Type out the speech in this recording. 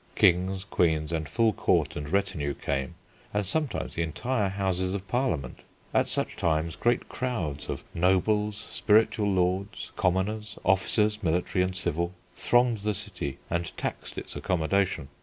Kings, queens, and full court and retinue came, and sometimes the entire houses of Parliament. At such times great crowds of nobles, spiritual lords, commoners, officers, military and civil, thronged the city and taxed its accommodation.